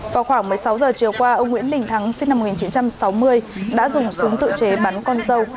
vào khoảng một mươi sáu giờ chiều qua ông nguyễn đình thắng sinh năm một nghìn chín trăm sáu mươi đã dùng súng tự chế bắn con dâu